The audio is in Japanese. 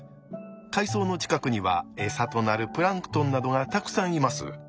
海藻の近くには餌となるプランクトンなどがたくさんいます。